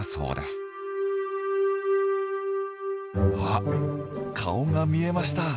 あっ顔が見えました。